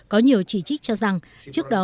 có nhiều chỉ trích cho rằng trước đó